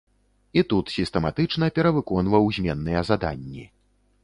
І тут сістэматычна перавыконваў зменныя заданні.